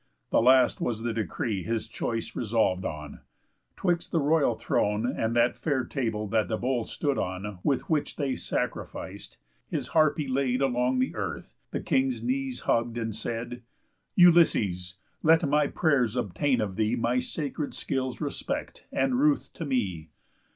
The last was the decree His choice resolv'd on. 'Twixt the royal throne And that fair table that the bowl stood on With which they sacrific'd, his harp he laid Along the earth, the King's knees hugg'd, and said: "Ulysses! Let my pray'rs obtain of thee My sacred skill's respect, and ruth to me!